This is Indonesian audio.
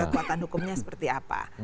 kekuatan hukumnya seperti apa